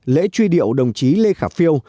lễ truy điệu đồng chí lê khả phiêu